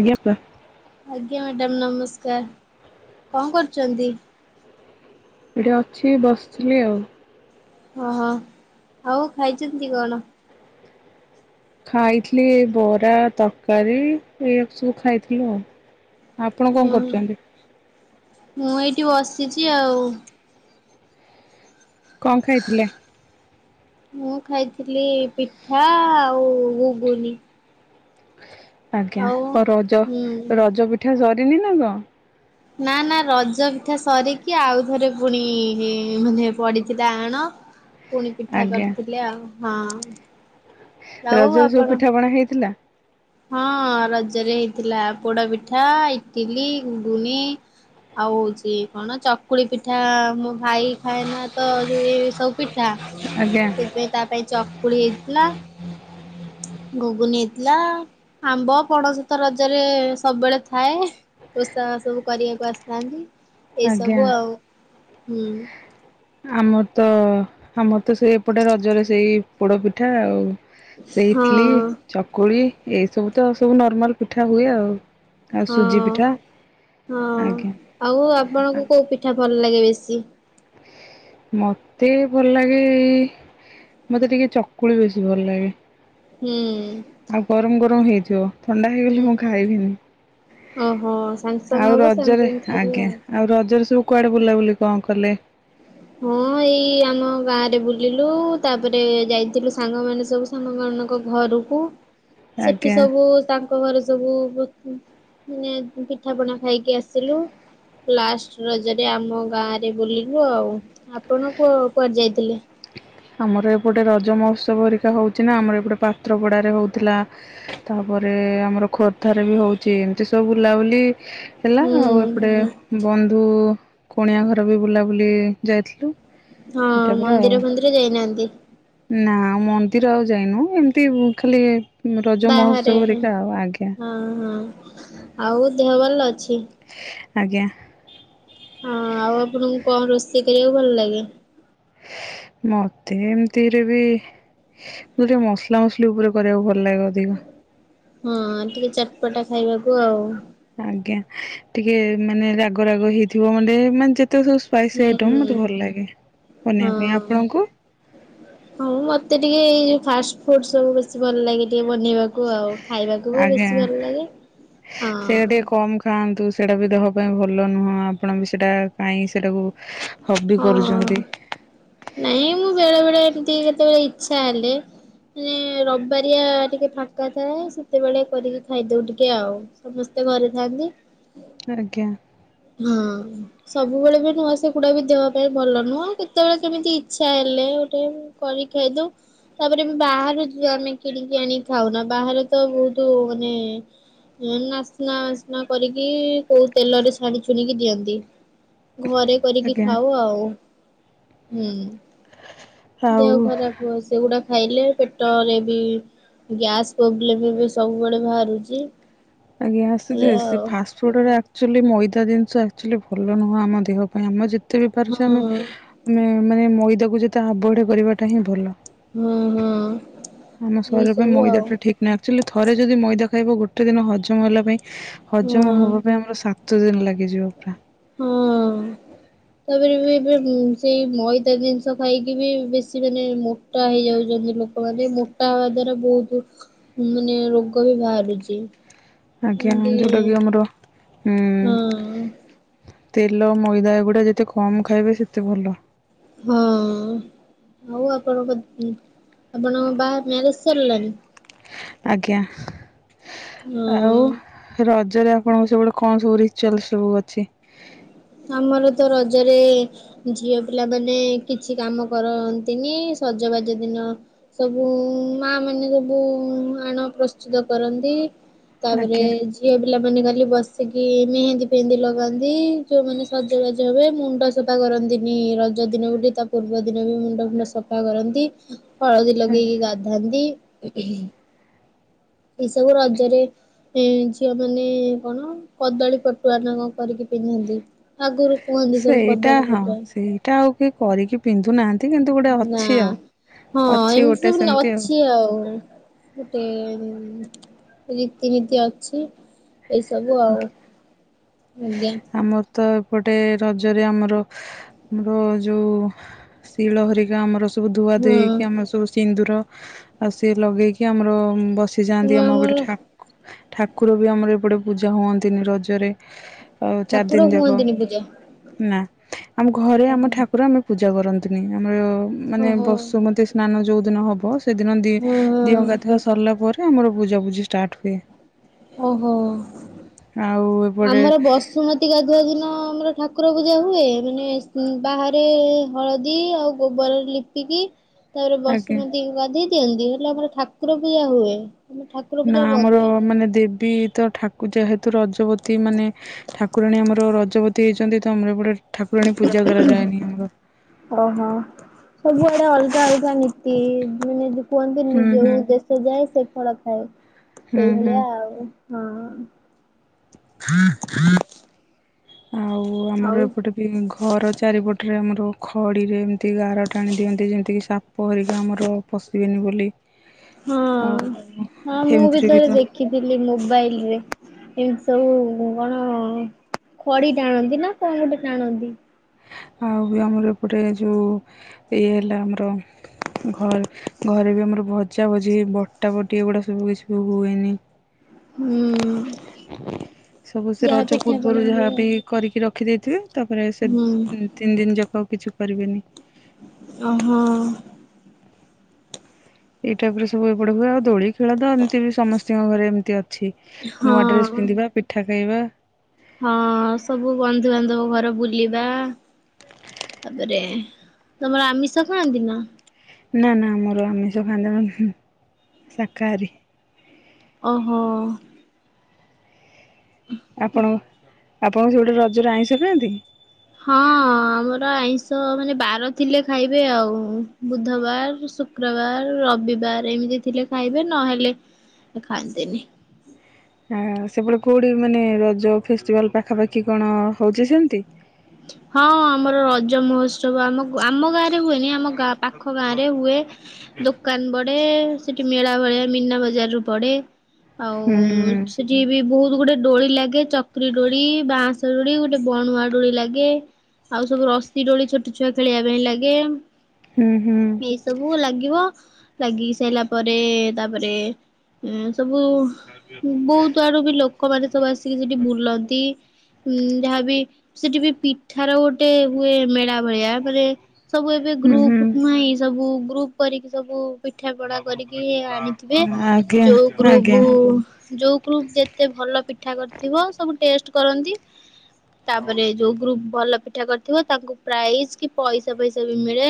ଆଜ୍ଞା ଆଜ୍ଞା ମ୍ୟାଡାମ ନମସ୍କାର କଣ କରୁଛନ୍ତି ଏଠି ଅଛି ବସିଥିଲି ଆଉ ଓହୋ ଆଉ ଖାଇଛନ୍ତି କଣ ଖାଇଥିଲି ବରା ତରକାରୀ ଏଇ ସବୁ ଖାଇଥିଲୁ ଆଉ ଆପଣ କଣ ହୁଁ କରୁଛନ୍ତି ମୁଁ ଏଇଠି ବସିଛି ଆଉ କଣ ଖାଇଥିଲେ ମୁଁ ଖାଇଥିଲି ପିଠା ଆଉ ଘୁଗୁନି। ଆଜ୍ଞା ଆଉ ରଜ ହୁଁ ରଜ ପିଠା ସରି ତିନ ନଗର [unintelligible] ନା ନା ରଜ ପିଠା ସରିକି ଆଉଥରେ ପୁଣି ମାନେ ପଡିଚି ତା ଆଣ ପୁଣି ପିଠା ଆଜ୍ଞା କରିଥିଲେ ଆଉ ହଁ ଆଉ ରଜରେ ସବୁ ଆପଣ ପିଠା ପଣା ହେଇଥିଲା? ହଁ ରଜରେ ହେଇଥିଲା ପୋଡା ପିଠା ଇଟିଲି ଘୁଗୁନି ଆଉ ହଉଛି କଣ ଚକୁଳି ପିଠା ମୋ ଭାଇ ଖାଏନା ତ ଯୋଉ ଏ ସବୁ ପିଠା ଆଜ୍ଞା ସେଥିପାଇଁ ତା ପାଇଁ ଚକୁଳି ହେଇଥିଲା ଘୁଗୁନି ହେଇଥିଲା ଆମ୍ବ ପଣସ ତ ରଜରେ ସବୁବେଳେ ଥାଏ ଓଷା ସବୁ କରିବାକୁ ଆସିଥାନ୍ତି। ଆଜ୍ଞା। ଏଇସବୁ ଆଉ ହୁଁ। ଆମର ତ ଆମର ତ ସେ ଏପଟେ ରଜରେ ସେଇ ପୋଡ ପିଠା ଆଉ ସେ ହଁ ଇଟଲି ଚକୁଳି ଏଇ ସବୁ ତ ସବୁ ନର୍ମାଲ ପିଠା ହୁଏ ଆଉ ଆଉ ହଁ ସୁଜି ପିଠା ହଁ ଆଜ୍ଞା। ଆଉ ଆପଣଙ୍କୁ କୋଉ ପିଠା ଭଲ ଲାଗେ ବେଶୀ ମତେ ଭଲ ଲାଗେ ମତେ ଟିକେ ଚକୁଳି ବେଶୀ ଭଲ ଲାଗେ। ହୁଁ। କଣ ହେଇଥିବ? ଥଣ୍ଡା ହେଇଗଲେ ମୁଁ ହୁଁ ଖାଇବିନି ଓହୋ ସାଙ୍ଗେ ସାଙ୍ଗେ ଆଉ ହବ ସାଙ୍ଗେ ରଜରେ ସାଙ୍ଗେ ଖାଇବେ ଆଜ୍ଞା ଆଉ ରଜରେ ସବୁ କୁଆଡେ ବୁଲାବୁଲି କଣ କଲେ? ହଁ ଏଇ ଆମ ଗାଁ ରେ ବୁଲିଲୁ ତାପରେ ଯାଇଥିଲୁ ସାଙ୍ଗମାନେ ସବୁ ସାଙ୍ଗ ମାନଙ୍କ ଘରକୁ ସେଠୁ ଆଜ୍ଞା ସବୁ ତାଙ୍କ ଘର ସବୁ ମାନେ ପିଠାପଣା ଖାଇକି ଆସିଲୁ ଲାଷ୍ଟ ରଜରେ ଆମ ଗାଁରେ ବୁଲିଲୁ ଆଉ। ଆପଣ କୁ କୁଆଡେ ଯାଇଥିଲେ? ଆମର ଏପଟେ ରଜ ମହୋତ୍ସବ ହେରିକା ହଉଛି ନା ଆମର ଏପଟେ ପାତ୍ରପଡାରେ ହଉଥିଲା ତାପରେ ଆମର ଖୋର୍ଦ୍ଧାରେ ବି ହଉଛି ଏମିତି ସବୁ ବୁଲାବୁଲି ହେଲା ହୁଁ ଆଉ ଏପଟେ ହୁଁ ବନ୍ଧୁ କୁଣିଆ ଘର ବି ବୁଲାବୁଲି ଯାଇଥିଲୁ। ହଁ ଏଟା ପୁରା ଆଉ। ମନ୍ଦିର ଫନ୍ଦି ଯାଇନାହାନ୍ତି। ନା ମନ୍ଦିର ଆଉ ଯାଇନୁ ଏମିତି ଖାଲି ରଜ ବାହାରେ ମହୋତ୍ସବ ହେରିକା ଆଉ ଆଜ୍ଞା। ହଁ ହଁ ଆଉ ଦେହଭଲ ଅଛି। ହଁ। ଆଜ୍ଞା। ହଁ ଆଉ ଆପଣଙ୍କୁ କଣ ରୋଷେଇ କରିବାକୁ ଭଲ ଲାଗେ। ମତେ ଏମିତିରେ ବି ଟିକେ ମସଲା ମସଲି ଉପରେ କରିବାକୁ ଭ ହଁ ଟିକେ ଚଟପଟା ଖାଇବାକୁ ଆଉ ଆଜ୍ଞା ଟିକେ ମାନେ ରାଗ ରାଗ ହେଇଥିବ ମାନେ ମାନେ ଯେତେ ସବୁ ସ୍ପାଇସି ହୁଁ ଆଇଟମ ହୁଁ। ମତେ ଭଲ ଲାଗେ ବନିବା ପାଇଁ ହଁ। ଆପଣଙ୍କୁ ହଁ ମତେ ଟିକେ ଏଇ ଯୋଉ ଫାଷ୍ଟ ଫୁଡ ସବୁ ବେଶୀ ଭଲ ଲାଗେ ଟିକେ ବନେଇବାକୁ ଆଉ। ଖାଇବାକୁ ବି ଆଜ୍ଞା ବେଶୀ ଭଲ ଲାଗେ ସେଇଟା ହଁ ଟିକେ କମ ଖାଆନ୍ତୁ ସେଇଟା ବି ଦେହ ପାଇଁ ଭଲ ଭଲ ନୁହଁ ଆପଣ ବି ସେଇଟା କାହିଁକି ସେଇଟାକୁ ହଁ ନାଇଁ ମୁଁ ବେଳେ ବେଳେ ଟିକେ କେତେବେଳେ ଇଚ୍ଛା ହେଲେ ମାନେ ରବାରିଆ ଟିକେ ଫାଙ୍କା ଥାଏ ସେତେବେଳେ କରିକି ଖାଇଦଉ ଟିକେ ଆଉ ସମସ୍ତେ ଘରେ ଥାନ୍ତି ଆଜ୍ଞା ହଁ ସବୁବେଳେ ବି ନୂଆ ସେଗୁଡା ବି ଦେବା ପାଇଁ ଭଲ ନୁହଁ କେତେବେଳେ କେମିତି ଇଚ୍ଛା ହେଲେ ଗୋଟେ କରିକି ଖାଇଦଉ ତାପରେ ବାହାରୁ ଆମେ କିଣିକି ଆଣି ଖାଉନା ବାହାରେ ତ ବହୁତ ମାନେ ନାସ୍ନା ଅସ୍ନା କରିକି କୋଉ ତେଲରେ ଛାଣି ଛୁଣିକି ଦିଅନ୍ତି ଘରେ କରିକି ଆଜ୍ଞା ଖାଉ ଆଉ ହୁଁ ଦେହ ଆଉ ଖରାପ ହୁଏ ସେଗୁଡାକ ଖାଇଲେ ପେଟରେ ବି ଗ୍ୟାସ ପ୍ରୋବ୍ଲେମ ଏବେ ସବୁବେଳେ ବାହାରୁଛି ଆଜ୍ଞା ଏଇଆ [unintelligible] ସେ ଆଉ ଫାଷ୍ଟ ଫୁଡ୍ ଗୁଡା ଆକ୍ଚୁଆଲି ମଇଦା ଜିନିଷ ଆକ୍ଚୁଆଲି ଭଲ ନୁହେଁ ଆମ ଦେହ ପାଇଁ ଆମ ଯେତେ ଏତେ ବି ପାରୁଛେ ହଁ ଆମେ ଆମେ ମାନେ ମଇଦାକୁ ଯେତେ ଆଭହେଡ୍ କରିବାଟା ହିଁ ଭଲ ହଁ ହଁ ଆମ ଏଇ ଶରୀର ପାଇଁ ସବୁ ମଇଦା ଆଉ ଟା ଠିକ୍ ନୁହେଁ ଆକ୍ଚୁଆଲି ଥରେ ଯଦି ମଇଦା [unintelligible] ଗୋଟେ ଦିନ ଗଛମହଲ ପାଇଁ ହଜମ ହଁ ହବା ପାଇଁ ଆମର ସା କେତେ ଦିନ ଲାଗେ ହଁ ତାପରେ ବି ଏବେ ସେଇ ମଇଦା ଜିନିଷ ଖାଇକି ବି ବେଶୀ ମାନେ ମୋଟା ହେଇଯାଉଛନ୍ତି ଲୋକମାନେ ମୋଟା ହବା ଦ୍ଵାରା ବହୁତ ମାନେ ରୋଗ ବି ବାହାରୁଛି ଆଜ୍ଞା ଏମିତି ଯୋଉଟାକି ଆମର ହୁଁ ହଁ ତେଲ ମଇଦା ଏଗୁଡା ଯେତେ କମ ଖାଇବେ ସେତେ ଭଲ ହଁ ଆଉ ଆପଣଙ୍କ ଆପଣଙ୍କ ବାହା ମ୍ୟାରେଜ ସାରିଲାଣି ଆଜ୍ଞା ଆଉ ହଁ। ରଜ ରଜରେ ଆପଣଙ୍କ ସେପଟେ କଣ ସବୁ ରିଚୁଆଲ ସବୁ ଅଛି ଆମର ତ ରଜରେ ଝିଅ ପିଲାମାନେ କିଛି କାମ କରନ୍ତିନି ସଜବାଜ ଦିନ ସବୁ ମା ମାନେ ସବୁ ଆଣ ପ୍ରସ୍ତୁତ କରନ୍ତି ତାପରେ ଆଜ୍ଞା। ଝିଅ ପିଲା ନେ କଲି ବସିକି ମେହେନ୍ଦୀ ଫେହନ୍ଦୀ ଲଗାନ୍ତି ଯୋଉ ମମାନେ ସଜବାଜ ହଏ ମୁଣ୍ଡ ସଫା କରନ୍ତିନି ରଜ ଦିନ ବୋଲି ତା ପୂର୍ବ ଦିନ ବି ମୁଣ୍ଡ ଫୁଣ୍ଡ ସଫା କରନ୍ତି ହଳଦୀ ଲଗେଇକି ଗାଧଥାନ୍ତି ଏସବୁ ରଜରେ ଝିଅ ମାନେ କଣ କଦଳୀ ପଟୁଆ ନା କଣ କରିକି ପିନ୍ଧନ୍ତି ଆଗରୁ କୁହନ୍ତି ସବୁ ସେଇଟା କଦଳୀ ହଁ ପଟୁଆ ସେଇଟା ଆଉ କିଏ କରିକି ପିନ୍ଧୁ ନାହାନ୍ତି ଏ କିନ୍ତୁ ଗୋଟେ ନା ଅଛି ଆଉ ହଁ ଅଛି ଏମିତି ଗୋଟେ ସବୁ ସେମତି ଆଉ ଅଛି ଗୋଟେ ରୀତିନୀତି ଅଛି ଏଇସବୁ ଆଉ ଆଜ୍ଞା ଆମର ତ ଏପଟେ ରଜରେ ଆମର ଆମର ଯେଉଁ ଶିଳହରିକା ଆମର ସବୁ ହଁ ଧୁଆଧୁୋଇଇକି ଆମର ସବୁ ସିନ୍ଦୁର ଆଉ ସିଏ ଲଗେଇକି ଆମର ବ ସେ ତମ ଯାଆନ୍ତି ଆମ ଗୋଟେ ଆମର ଠାକୁ ଠାକୁର ବି ଆମର ଏପଟେ ପୂଜା ହୁଅନ୍ତିନି ରଜରେ ଆଉ ଚାରି ଠାକୁର ଦିନ ଯାକ ହୁଅନ୍ତିନି ପୂଜା। ନା ଆମ ଘରେ ଆମ ଓହୋ ଠାକୁର ଆମେ ପୂଜା ପୂଜା କରନ୍ତିନି ଆମର ମାନେ ଓହୋ ବସୁମତୀ ସ୍ନାନ ଯୋଉ ଦିନ ହବ ସେଦିନ ଦି ହଁ ଦିଅ ହଁ ଗାଧିବା ସରିଲା ପରେ ଆମର ବୁଝାବୁଝଜି ଷ୍ଟାର୍ଟ ହୁଏ ଓହୋ ଆଉ ଏପଟେ ଆମର ବସୁମତୀ ଗାଧୁଅ ଦିନ ଆମର ଠାକୁର ପୂଜା ହୁଏ ମାନେ ବାହାରେ ହଳଦୀ ଆଉ ଗୋବରରେ ଲିପିକି ତାପରେ ଆଜ୍ଞା ବସୁମତୀଙ୍କ ଗଧି ଦିଅନ୍ତି ହେଲେ ଆମର ଠାକୁର ପଇୟା ହୁଏ ଆମ ଠାକୁର ନା ପୂଜା ବନ୍ଦ ଆମର ହୁଏନି। ମାନେ ଦେବୀ ତ ଠାକୁ ଯେହେତୁ ରଜପତୀ ମାନେ ଠାକୁରାଣୀ ଆମର ରଜପତୀ ହେଇଛନ୍ତି ତ ଆମର ଏ ଗଟେ ଓହୋ ସବୁଆଡା ଅଲ ଚା କାନି ମାନେ କୁହନ୍ତି ହୁଁ ହୁଁ ନିଜଉ ଦେଶ ଯାଏ ସେ ପଳ ଖଏ ହୁଁ ହୁଁ ସେଇଭଳିଆ ଆଉ ହଁ ଆଉ ଆମର ଆଉ ଏପଟେ ବି ଘର ଚାରିପଟରେ ଆମର ଆ ଖଡ଼ିରେ ଏମିତି ଗାର ଟାଣି ଦିଅନ୍ତି ଯେମିତିକି ସାପ ଧରିକି ଆମର ପଶିବେନି ବୋଲି ହଁ ଆଉ ହଁ ମୁଁ ବି ଏମିତିରେ ଥରେ ତ ଦେଖିଥିଲି ମୋବାଇଲ ରେ ଏମିତି ସବୁ କଣ ଖଡି ଟାଣନ୍ତି ନା କଣ ଗୋଟେ ଟାଣନ୍ତି ଆଉ ବି ଆମର ଏପଟେ ଯୋଉ ଇଏ ହେଲା ଆମର ଘରେ ଘରେ ବି ଆମର ଭଜା ଭଜି ବଟା ବଟି ଏଗୁଡା ସବୁ କିଛି ବି ହୁଏନି। ହୁଁ। ସବୁ ସେ ଯାହା ରଜ ପିଠା ପଣା ପୂର୍ବରୁ ହୁଏ ଯାହା ଆଉ। ବି କରିକି ରଖିଦେଇଥିବେ ତାପରେ ସେ ହୁଁ ତିନି ଦିନ ଜା କିଛି କରିବେନି। ଓ ହୋ ଏଇ ଟାଇପର ସବୁ ଏଇ ପେଟ ହୁଏ ଆଉ ଦୋଳି ଖେଳ ତ ଏମିତି ବି ସମସ୍ତେ [inaudible] ନୂଆ ଡ୍ରେସ ହଁ। ପିନ୍ଧିବା ପିଠା [unintelligible] ହଁ ସବୁ ବନ୍ଧୁବାନ୍ଧବ ଘର ବୁଲିବା ତାପରେ ତମର ଆମିଷ ଖାଆନ୍ତି ନା। ନା ନା ଆମର ଆମିଷ ଖାଆନ୍ତିନି ଶାକାହାରୀ। ଓହୋ। ଆପଣ ଆପଣ ସେ ଗୋଟେ ରଜରେ ଆଇଁଷ ଖାଆନ୍ତି। ହଁ ଆମର ଆଇଁଷ ମାନେ ବାର ଥିଲେ ଖାଇବେ ଆଉ ବୁଧବାର ଶୁକ୍ରବାର ରବିବାର ଏମିତି ଥିଲେ ଖାଇବେ ନହେଲେ ଖାଆନ୍ତିନି। ଆ ସେପଟେ କୋଉଠି ମାନେ ରଜ ଫେଷ୍ଭାଲ ପାଖାପାଖି କଣ ହଉଛି ସେମିତି। ହଁ ଆମର ରଜ ମହୋତ୍ସବ ଆମ ଆମ ଗାଁ। ହୁଏନି ଆମ ଗାଁ ପାଖ ଗାଁ ରେ ହୁଏ ଦୋକାନ ବଡେ। ସେଠି ମେଳା ଭଳିଆ ମୀନ ବଜାର ରୁ ପଡେ। ଆଉ ହୁଁ ସେଠି ବି ବହୁତ ଗୋଟେ ଡୋଳି ଲାଗେ ଚକି ଡୋଳି ବାଁଶ ଡୋଳି ଗୋଟେ ବଣୁଆ ଡୋଳି ଲାଗେ। ଆଉ ସବୁ ରଶି ଡୋଳି ଛୋଟ ଛୁଆ ଖେଳିବା ପାଇଁ ଲାଗେ। ହୁଁ ହୁଁ ଏଇ ସବୁ ଲାଗିବ। ଲାଗି ସାରିଲା ପରେ ତାପରେ ଊଁ ସବୁ ବହୁତ ଆଡୁ ବି ଲୋକ କ [unintelligible] ସବୁ ଆସିକି ସେଠି ବୁଲନ୍ତି ଉଁ ଯାହାବି ସେଠି ବି ପିଠାର ଗୋଟେ ହୁଏ ମେଳା ଭଳିଆପରେ ସବୁ ଏବେ ହୁଁ ଗ୍ରୁପ ହୁଁ। ନଁ ସବୁ ଗ୍ରୁପ କରିକି ସବୁ ପିଠା ପଣା କରିକି ଆଣିଥିବେ ଆଜ୍ଞା ଯୋଉ ଗ୍ରୁପ ଆଜ୍ଞା ଯୋଉ ଗ୍ରପ ଯେତେ ଭଲ ପିଠା କରିଥିବ ସବୁ ଟେଷ୍ଟ କରନ୍ତି ତାପରେ ଯୋଉ ଭଲ ପିଠା କରିଥିବ ତାଙ୍କୁ ପ୍ରାଇଜ କି ପଇସା ପଇସା ବି ମିଳେ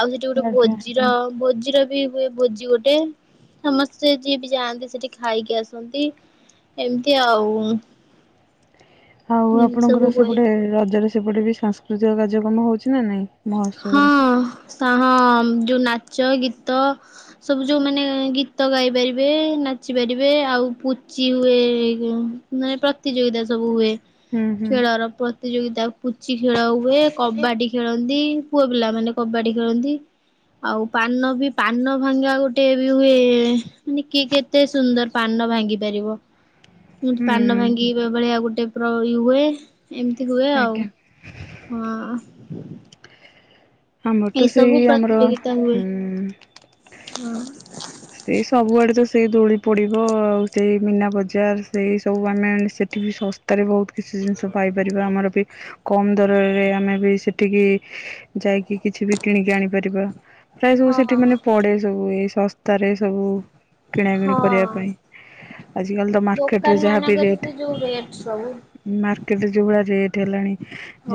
ଆଉ ସେଠି ଗୋଟେ ଆଜ୍ଞା। ଭୋଜିର ଭୋଜ ଜିର ବି ହୁଏ ଭୋଜି ଗୋଟେ ସମସ୍ତେ ଯିଏ ବି ଯାଆନ୍ତି ସେଠି ଖାଇକି ଆସନ୍ତି ଏମତି ଆଉ। ଆଉ ଏମିତି ସବୁ ଆପଣଙ୍କର ହୁଏ ସେପଟେ ରଜରେ ସେ ସେପଟେ ବି ସାଂସ୍କୃତିକ କାର୍ଯ୍ୟକ୍ରମ ହଉଛି। ନା ନାଇଁ ହଁ ମହୋତ୍ସବରେ। ହଁ ଯୋଉ ନାଚ ଗୀତ ସବୁ ଯୋଉମାନେ ଗୀତ ଗାଇ ପାରିବେ ନାଚି ପାରିବେ ଆଉ ପୁଚି ହୁଏ ମାନେ ପ୍ରତିଯୋଗିତା ସବୁ ହୁଏ। ହୁଁ ହୁଁ ଖେଳର ପ୍ରତିଯୋଗିତା ପୁଚି ଖେଳ ହୁଏ କବାଡି ଖେଳ ନ୍ତୀ ପୁଅ ପିଲା ମାନେ କବାଡି ଖେଳନ୍ତି ଆଉ ପାନ ବି ପାନ ଭାଙ୍ଗିବା ଗୋଟେ ବି ହୁଏ ମାନେ କି କେତେ ସୁନ୍ଦର ପାନ ଭାଙ୍ଗି ପାରିବ। ମୁଁ ପାନ ହୁଁ ଭାଙ୍ଗିବା ବା ଭଳିଆ ଗୋ ଟେପ୍ରୋରି ହୁଏ। ଏମିତି ହୁଏ ଆଉ। ଆଜ୍ଞା ହଁ। ଆମର ଏଇ ତ ସବୁ ସେଇ ଆମର ପ୍ରତିଯୋଗିତା ହୁଏ ହୁଁ। ହଁ। ସେଇ ସବୁଆଡେ ତ ସେଇ ଦୋଳି ପଡିବ ଆଉ ସେଇ ମିନା ବଜାର ସେଇ ସବୁ ଆମେ ମାନେ ସେଠି ବି ଶସ୍ତାରେ ବହୁତ କିଛି ଜିନିଷ ପାଇପାରିବା ଆମର ବି କମ ଦରରେ ଆମେ ବି ସେଠିକି ଯାଇ। କି କିଛି ବି କିଣିକି ଆଣିପାରିବ ପ୍ରାୟ ସବୁ ହଁ ସେଠି ମାନେ ପଡେ ସବୁ ଏଇ ସ ତାରେ। ସବୁ କିଣାକିଣି କରିବା ପାଇଁ ହଁ ଆଜିକାଲି ତ ମାର୍କେଟରେ ଦୋକାନ ଯାହାବି ମାନଙ୍କରେ ରେଟ୍ ତ ଯୋଉ ରେଟ୍ ସବୁ ମାର୍କେଟରେ ଯଉଭଳିଆ ରେଟ୍। ହେଲାଣି।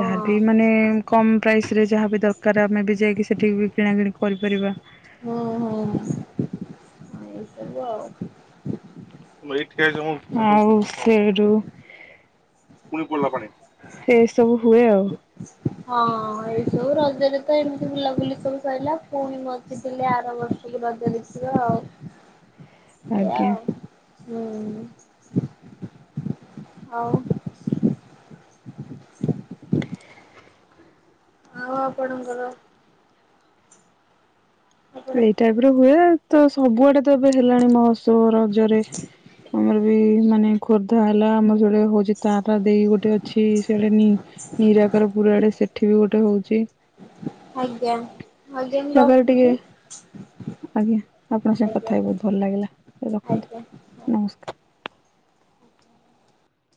ଯାହାର ବି ମାନେ କମ ପ୍ରାଇସ ରେ ଯାହା ବି ଦରକାର। ଆମେ ବି ଯାଇକି ସେଠିକି ବି କିଣାକିଣି କରିପାରିବା। ହୁଁ ହୁଁ ହଁ ଏଇସବୁ ଆଉ। ଆଉ ସେଇଠୁ। ଏସବୁ ହୁଏ ଆଉ। ହଁ ଏଇ ସବୁ ରଜରେ ତ ଏମିତି ବୁଲାବୁଲି ସବୁ ସରିଲା ପୁଣି ବଞ୍ଚିଥିଲେ ଆର ବର୍ଷ କୁ ରଜ ଦେଖିବା ଆଉ। ଏଇଆ ଆଜ୍ଞା। ଆଉ। ହୁଁ ଆଉ [inaudible] ଆଉ ଆପଣଙ୍କର ଆପଣ ଏଇ ଟାଈପ୍ ର ହୁଏ। ତ ସବୁଆଡ଼େ ତ ଏବେ ହେଲାଣି ମହୋତ୍ସବ ରଜରେ ଆମର ବି ମାନେ ଖୋର୍ଦ୍ଧା ହେଲା ଆମ ଯୋଡେ ହଉଛି ତାରା ଦେଇ ଗୋଟେ ଅଛି ସିଆଡ଼େ ନି ନିରାକାର ପୁର ଆଡେ ସେଠି ବି ଗୋଟେ ହଉଛି ଆଜ୍ଞା ସେ ଆଜ୍ଞା ମୁଁ ଜାଗାରେ ଟିକେ ରଖୁଛି ଆଜ୍ଞା ଆପଣଙ୍କ ସାଙ୍ଗେ ଆଜ୍ଞା କଥା ହେଇ ବହୁତ ଭଲ ଲାଗିଲା ଏବେ ଆଜ୍ଞା। ରଖନ୍ତୁ ନମସ୍କାର।